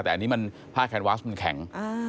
แต่อันนี้มันผ้าแคนวาสมันแข็ง